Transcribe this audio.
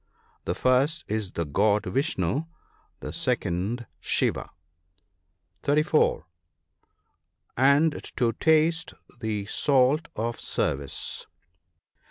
— The first is the god Vishnoo, the second Shiva. 1 50 NOTES. (34.) And to taste the salt of service.